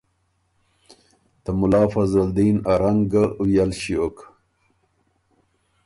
ته مُلا فضل دین ا رنګ ګه وئل ݭیوک